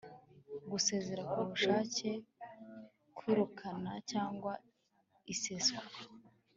gusezera ku bushake kwirukana cyangwa iseswa